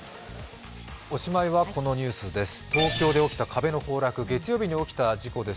おしまいは、このニュースです。